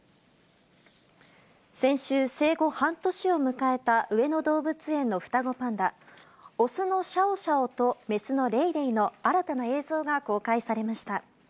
先週、生後半年を迎えた上野動物園の双子パンダ、雄のシャオシャオと、雌のレイレイの新たな映像が公開されました。